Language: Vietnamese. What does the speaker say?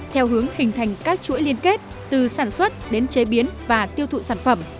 theo hướng hình thành các chuỗi liên kết từ sản xuất đến chế biến và tiêu thụ sản phẩm